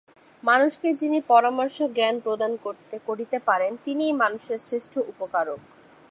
মানুষকে যিনি পরমার্থ-জ্ঞান প্রদান করিতে পারেন, তিনিই মানুষের শ্রেষ্ঠ উপকারক।